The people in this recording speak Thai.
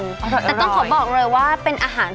อร่อยายเด้อความให้โรจิงครับ